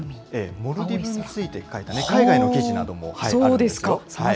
モルディブについて書いた海外の記事などもあったんですよ。